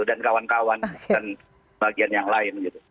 dan kawan kawan dan bagian yang lain gitu